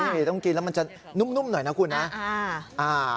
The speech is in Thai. นี่ต้องกินแล้วมันจะนุ่มหน่อยนะคุณนะ